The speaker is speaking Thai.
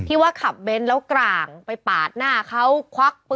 ว่าขับเบนท์แล้วกลางไปปาดหน้าเขาควักปืน